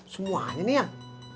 semuanya nih yang